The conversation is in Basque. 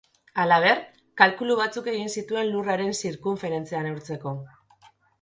Halaber, kalkulu batzuk egin zituen Lurraren zirkunferentzia neurtzeko.